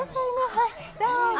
はいどうぞ。